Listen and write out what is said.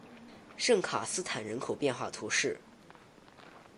圣卡斯坦人口变化图示